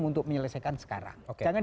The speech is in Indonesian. untuk menyelesaikan sekarang jangan